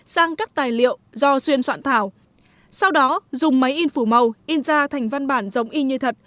sang các tài liệu do xuyên soạn thảo sau đó dùng máy in phủ màu in ra thành văn bản giống y như thật